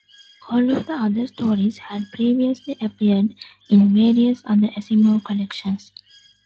All of the other stories had previously appeared in various other Asimov collections.